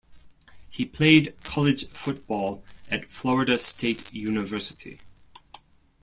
He played college football at Florida State University.